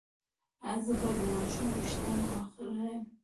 ایا زه باید د ماشوم ویښتان وخرییم؟